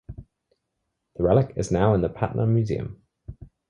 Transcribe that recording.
The relic is now in the Patna museum.